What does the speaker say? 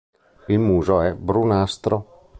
Il muso è brunastro.